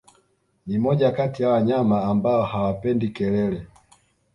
Ni moja kati ya wanyama ambao hawapendi kelele